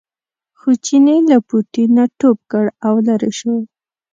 خو چیني له پوټي نه ټوپ کړ او لرې شو.